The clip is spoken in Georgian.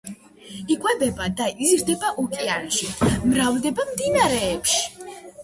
იკვებება და იზრდება ოკეანეში, მრავლდება მდინარეებში.